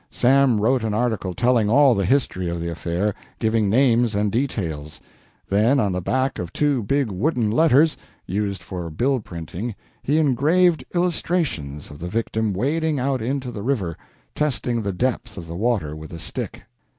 Sam wrote an article telling all the history of the affair, giving names and details. Then on the back of two big wooden letters, used for bill printing, he engraved illustrations of the victim wading out into the river, testing the depth of the water with a stick.